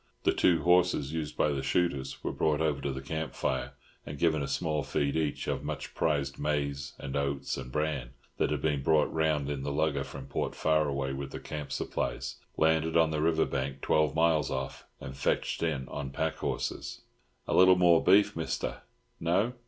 The two horses used by the shooters were brought over to the camp fire and given a small feed each of much prized maize and oats and bran, that had been brought round in the lugger from Port Faraway with the camp supplies, landed on the river bank twelve miles off, and fetched in on pack horses. "A little more beef, Mister? No?